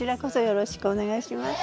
よろしくお願いします。